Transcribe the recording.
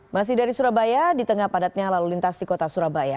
masih dari surabaya di tengah padatnya lalu lintas di kota surabaya